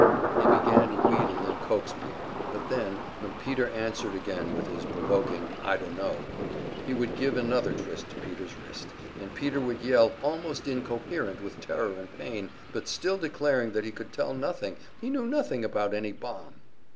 He began to wheedle and coax Peter; but then, when Peter answered again with his provoking "I dunno," he would give another twist to Peter's wrist, and Peter would yell, almost incoherent with terror and pain but still declaring that he could tell nothing, he knew nothing about any bomb.